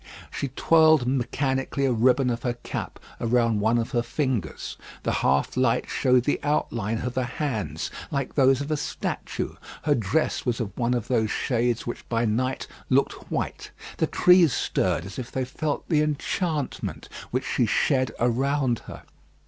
She twirled mechanically a ribbon of her cap around one of her fingers; the half light showed the outline of her hands like those of a statue; her dress was of one of those shades which by night looked white: the trees stirred as if they felt the enchantment which she shed around her.